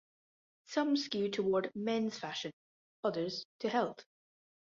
Some skew toward men's fashion, others to health.